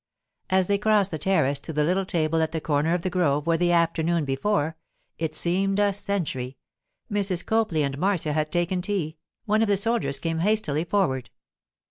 As they crossed the terrace to the little table at the corner of the grove where the afternoon before—it seemed a century—Mrs. Copley and Marcia had taken tea, one of the soldiers came hastily forward.